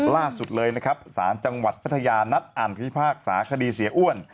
ล่าสุดเลยนะครับสารจังหวัดพัทยานัดอ่านพิพากษาคดีเสียอ้วน